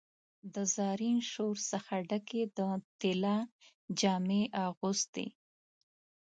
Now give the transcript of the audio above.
د زرین شور څخه ډکي، د طلا جامې اغوستي